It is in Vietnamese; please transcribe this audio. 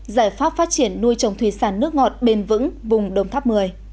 giải pháp phát triển nuôi trồng thủy sản nước ngọt bền vững vùng đồng tháp một mươi